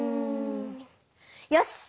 よし！